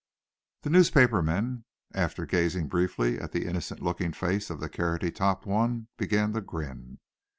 The newspaper men after gazing briefly at the innocent looking face of the carroty topped one, began to grin.